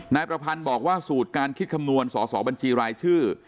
นายประพันธ์บอกว่าสูตรการคิดคำนวณสอสอบัญชีรายชื่อ